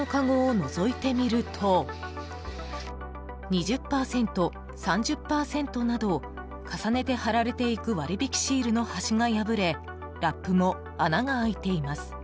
［２０％３０％など重ねて貼られていく割引シールの端が破れラップも穴が開いています］